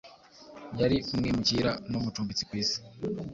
Yari umwimukira n’umucumbitsi ku isi,